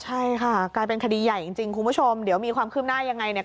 ใช่ค่ะกลายเป็นคดีใหญ่จริงคุณผู้ชมเดี๋ยวมีความคืบหน้ายังไงเนี่ย